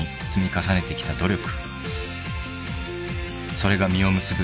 ［それが実を結ぶ